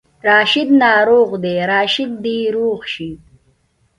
راشد ناروغ دی، راشد دې روغ شي